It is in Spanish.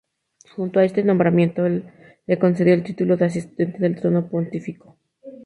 Junto a este nombramiento le concedió el título de asistente del trono pontificio.